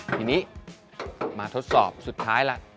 ทีนี้มาทดสอบสุดท้ายล่ะ